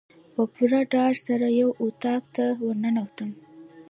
په پوره ډاډ سره یو اطاق ته ورننوتم.